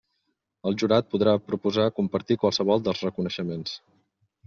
El jurat podrà proposar compartir qualsevol dels reconeixements.